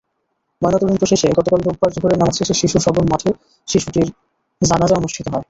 ময়নাতদন্ত শেষে গতকাল রোববার জোহরের নামাজ শেষে শিশুসদন মাঠে শিশুটির জানাজা অনুষ্ঠিত হয়।